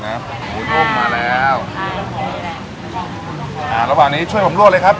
หมูนุ่มมาแล้วอ่าแล้วก็อ่าระหว่างนี้ช่วยผมรวบเลยครับ